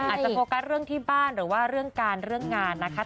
อาจจะโฟกัสเรื่องที่บ้านหรือว่าเรื่องการเรื่องงานนะคะ